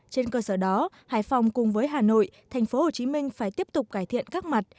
trên cơ sở đó hải phòng cùng với hà nội thành phố hồ chí minh phải tiếp tục cải thiện các mặt